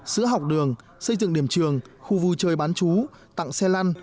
sữa học đường xây dựng điểm trường khu vui chơi bán chú tặng xe lăn